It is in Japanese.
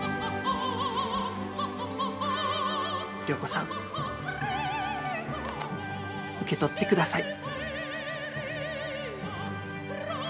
良子さん受け取ってください。